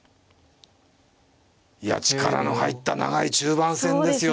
いや力の入った長い中盤戦ですよ。